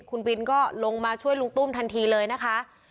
คุณบินก็ลงมาช่วยลุงตุ้มทันทีเลยนะคะ